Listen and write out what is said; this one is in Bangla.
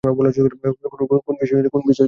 কোন বিষয়ে চিন্তা?